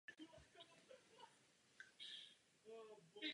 Ženy musejí mít možnost plně rozhodovat o svém těle.